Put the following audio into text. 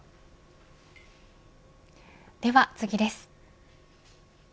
では次です。